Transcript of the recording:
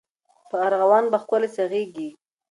په ارغوان به ښکلي سي غیږي